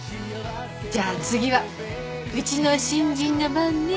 じゃあ次はうちの新人の番ね。